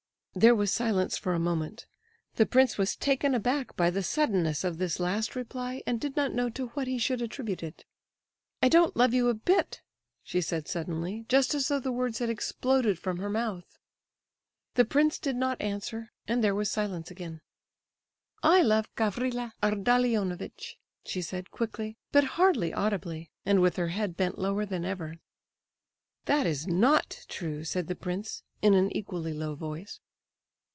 There was silence for a moment. The prince was taken aback by the suddenness of this last reply, and did not know to what he should attribute it. "I don't love you a bit!" she said suddenly, just as though the words had exploded from her mouth. The prince did not answer, and there was silence again. "I love Gavrila Ardalionovitch," she said, quickly; but hardly audibly, and with her head bent lower than ever. "That is not true," said the prince, in an equally low voice.